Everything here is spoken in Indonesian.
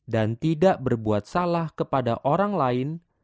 dan tidak berbuat salah kepada orang lain